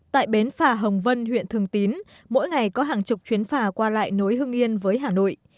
tại bến phà hồng vân huyện thường tín mỗi ngày có hàng chục chuyến phà qua lại nối hương yên với hà nội